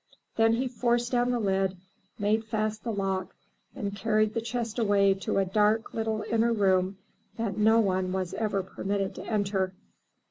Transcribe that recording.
Then he forced down the lid, made fast the lock, and carried the chest away to a dark little inner room that no one was ever permitted to enter.